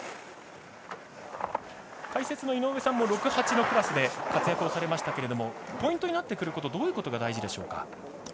解説の井上さんも６／８のクラスで活躍されましたがポイントになってくることはどういうことが大事でしょうか。